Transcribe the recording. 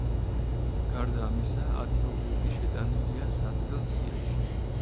გარდა ამისა, ათი ობიექტი შეტანილია საცდელ სიაში.